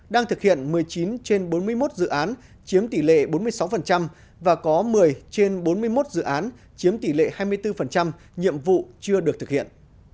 đang thực hiện một mươi chín trên bốn mươi một dự án chiếm tỷ lệ bốn mươi sáu và có một mươi trên bốn mươi một dự án chiếm tỷ lệ hai mươi bốn nhiệm vụ chưa được thực hiện